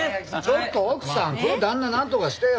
ちょっと奥さんこの旦那なんとかしてよ！